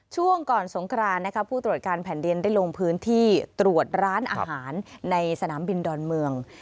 ช่วงก่อนสงครานผู้ตรวจการแผ่นดินได้ลงพื้นที่ตรวจร้านอาหารในสนามบินดอนเมือง